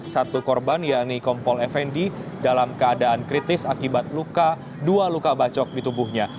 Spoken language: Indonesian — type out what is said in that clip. satu korban yakni kompol fnd dalam keadaan kritis akibat luka dua luka bacok di tubuhnya